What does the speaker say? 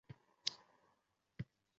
Bo'lgan dunyoda narsalar bor.